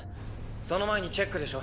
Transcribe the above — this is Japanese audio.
その前にチェックでしょ？